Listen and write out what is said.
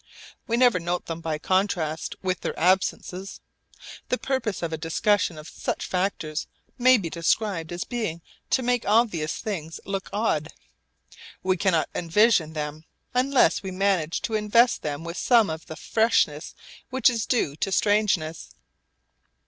We never note them by contrast with their absences. The purpose of a discussion of such factors may be described as being to make obvious things look odd. We cannot envisage them unless we manage to invest them with some of the freshness which is due to strangeness.